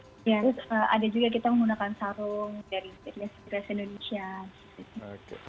terus ada juga kita menggunakan sarung dari se indonesia